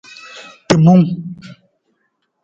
Timung.